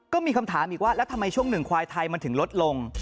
ก็มีคำถามอีกว่าแล้วทำไมช่วงหนึ่งควายไทยมันถึงลดลง